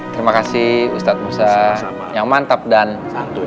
terima kasih ustadz musa yang mantap dan santun